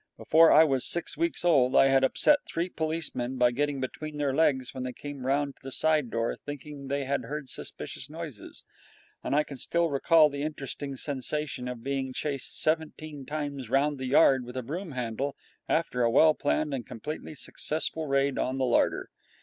Before I was six weeks old I had upset three policemen by getting between their legs when they came round to the side door, thinking they had heard suspicious noises; and I can still recall the interesting sensation of being chased seventeen times round the yard with a broom handle after a well planned and completely successful raid on the larder.